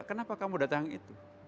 kenapa kamu datang itu